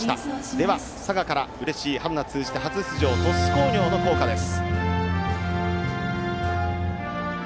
では、佐賀からうれしい春夏通じて初出場の鳥栖工業の校歌です。